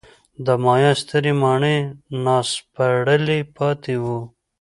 د مایا سترې ماڼۍ ناسپړلي پاتې وو.